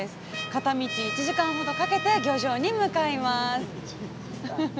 片道１時間ほどかけて漁場に向かいます。